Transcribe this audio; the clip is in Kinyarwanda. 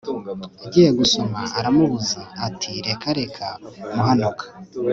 agiye gusoma aramubuza ati reka reka muhanuka